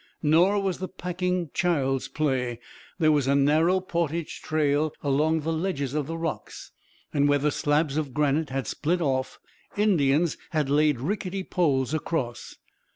Nor was the packing child's play. There was a narrow portage trail along the ledges of the rocks, and where the slabs of granite had split off Indians had laid rickety poles across.